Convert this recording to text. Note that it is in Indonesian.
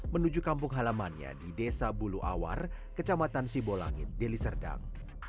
menuju kampung halamannya di desa bulu awar kecamatan sibolangit deliserdang